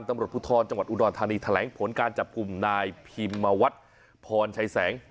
ตำรวจภูทรจังหวัดอุดรธานีแถลงผลการจับกลุ่มนายพิมวัฒน์พรชัยแสง